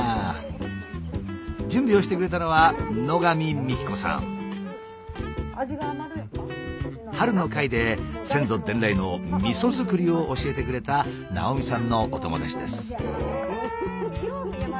準備をしてくれたのは春の回で先祖伝来のみそづくりを教えてくれた直見さんのお友達です。